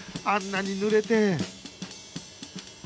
あんなに濡れて